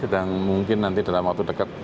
dan mungkin nanti dalam waktu